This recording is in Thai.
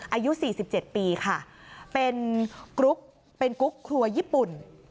อายุ๔๗ปีค่ะเป็นกุ๊กครัวยญี่ปุ่น